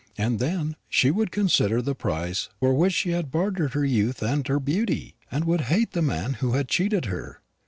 And then she would consider the price for which she had bartered her youth and her beauty, and would hate the man who had cheated her.